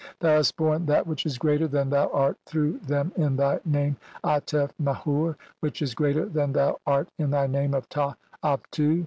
Thou hast borne that "which is greater than thou art through them in thy "name Atef Mehur which is greater than thou "art in thy name of Ta Abtu.